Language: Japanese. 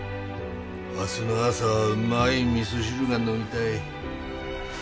明日の朝はうまい味噌汁が飲みたい。